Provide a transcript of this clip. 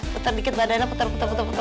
petar dikit badannya petar petar petar petar